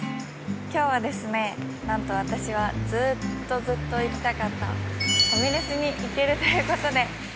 今日はですねなんと私はずーっとずっと行きたかったファミレスに行けるという事で。